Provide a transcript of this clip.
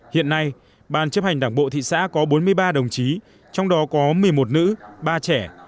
hiện nay ban chấp hành đảng bộ thị xã có bốn mươi ba đồng chí trong đó có một mươi một nữ ba trẻ